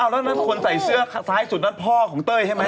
แล้วมันคนใส่เสื้อซ้ายสุดนั่นพ่อของเต้ยดูใหม่